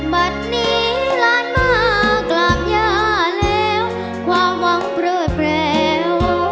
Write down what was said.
บัตรนี้ล้านมากราบย่าแล้วความหวังโปรดแปลว